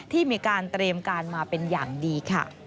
ที่มีการเตรียมการมาเป็นอย่างดีค่ะ